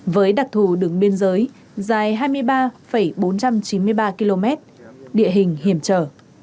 với đặc thù đường biên giới dài hai mươi ba bốn trăm chín mươi ba km địa hình hiểm trở